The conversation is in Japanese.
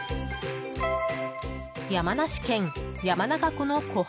山梨県山中湖の湖畔。